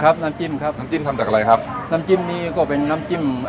น้ำจิ้มครับน้ำจิ้มทำจากอะไรครับน้ำจิ้มนี้ก็เป็นน้ำจิ้ม